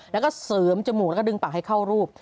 แล้วก็เสริมจมูกแล้วก็ดึงปากให้เข้ารูป